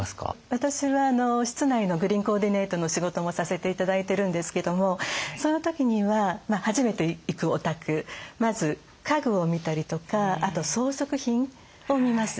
私は室内のグリーンコーディネートの仕事もさせて頂いてるんですけどもその時には初めて行くお宅まず家具を見たりとかあと装飾品を見ます。